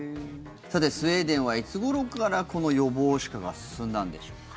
スウェーデンはいつごろからこの予防歯科が進んだんでしょうか。